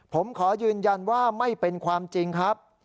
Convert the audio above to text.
ผมขอยืนยันว่าไม่เป็นความจริงครับ